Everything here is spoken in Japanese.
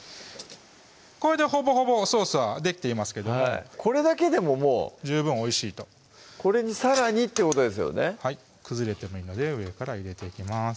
これでほぼほぼソースはできていますけどこれだけでももう十分おいしいとこれにさらにってことですよねはい崩れてもいいので上から入れていきます